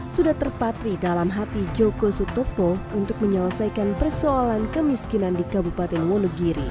sudah terpatri dalam hati joko sutopo untuk menyelesaikan persoalan kemiskinan di kabupaten wonogiri